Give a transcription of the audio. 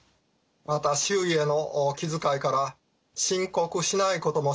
また周囲への気遣いから申告しないこともしばしばあります。